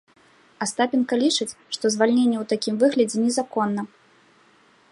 Астапенка лічыць, што звальненне ў такім выглядзе незаконна.